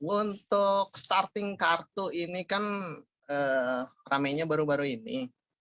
untuk starting kartu ini kan ramenya baru baru ini